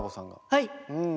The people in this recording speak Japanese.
はい！